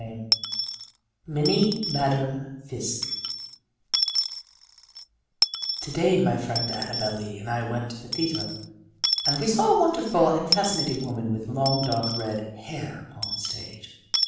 X MINNIE MADDERN FISKE To day my friend Annabel Lee and I went to the theater and we saw a wonderful and fascinating woman with long dark red hair upon the stage.